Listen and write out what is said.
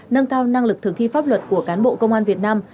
nâng cao năng lực thực thi pháp luật của cán bộ công an việt nam